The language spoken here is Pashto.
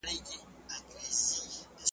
مشران رسمي ویناوې کوي.